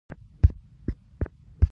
د خلکو د دیني عقایدو سپکاوي ناروا دی.